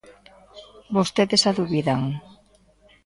Vostedes xa dubidan.